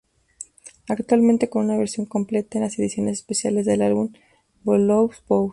Actualmente con una versión completa en las ediciones especiales del álbum Voulez-Vous.